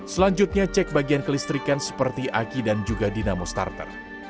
selanjutnya cek bagian kelistrikan seperti aki dan juga dinamo starter